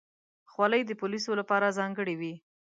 خولۍ د پولیسو لپاره ځانګړې وي.